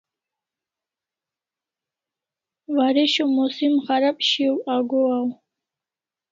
Waresho musim kharab shiau agohaw